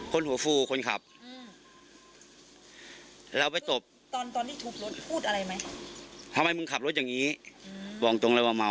หัวฟูคนขับอืมเราไปตบตอนตอนที่ทุบรถพูดอะไรไหมทำไมมึงขับรถอย่างนี้บอกตรงเลยว่าเมา